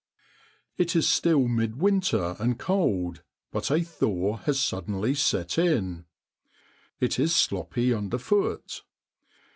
O % Cf O It is still mid winter and cold, but a thaw has suddenly set in. It is sloppy underfoot.